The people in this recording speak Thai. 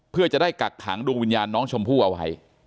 เพื่อจะได้กักขังดวงวิญญาณน้องชมพู่เอาไว้